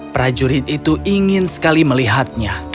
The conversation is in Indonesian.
prajurit itu ingin sekali melihatnya